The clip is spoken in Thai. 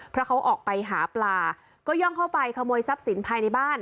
เพราะเขาออกไปหาปลาก็ย่องเข้าไปขโมยทรัพย์สินภายในบ้าน